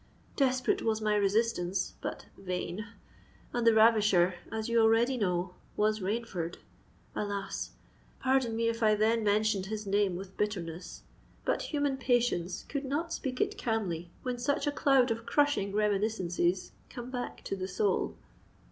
Desperate was my resistance—but vain: and the ravisher, as you already know, was Rainford! Alas! pardon me if I then mentioned his name with bitterness; but human patience could not speak it calmly when such a cloud of crushing reminiscences come back to the soul."